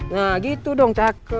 nah gitu dong cakep